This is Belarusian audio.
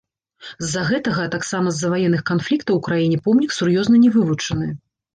З-за гэтага, а таксама з-за ваенных канфліктаў у краіне помнік сур'ёзна не вывучаны.